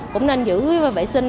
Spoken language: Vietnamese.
cũng nên giữ vệ sinh